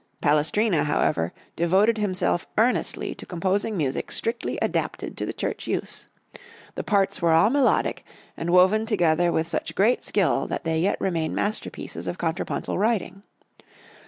Palestrina, however, devoted himself earnestly to composing music strictly adapted to the church use. The parts were all melodic, and woven together with such great skill that they yet remain masterpieces of contrapuntal writing.